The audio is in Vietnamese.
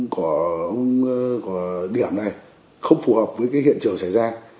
của điểm này không phù hợp với cái hiện trường xảy ra